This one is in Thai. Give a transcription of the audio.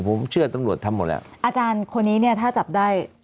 ผมเชื่อตำรวจทำหมดแล้วอาจารย์คนนี้เนี่ยถ้าจับได้